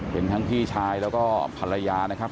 เห็นทั้งพี่ชายแล้วก็ภรรยานะครับ